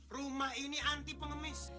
rumah ini anti pengemis